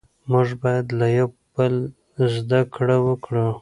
موږ بايد له يوه بل زده کړه وکړو.